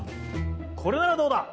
これならどうだ！